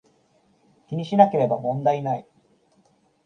気にしなければ問題無い